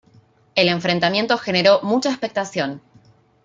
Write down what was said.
El enfrentamiento generó mucha expectación.